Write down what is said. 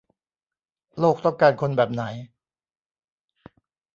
โลกต้องการคนแบบไหน